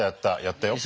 やったよ。